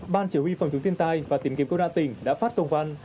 ban chỉ huy phòng chống thiên tai và tìm kiếm công đa tỉnh đã phát công văn